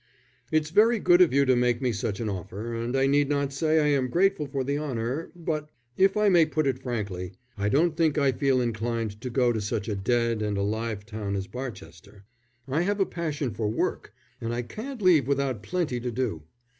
"It's very good of you to make me such an offer, and I need not say I am grateful for the honour, but if I may put it frankly I don't think I feel inclined to go to such a dead and alive town as Barchester. I have a passion for work, and I can't live without plenty to do.